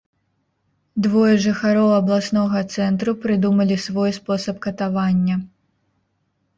Двое жыхароў абласнога цэнтру прыдумалі свой спосаб катавання.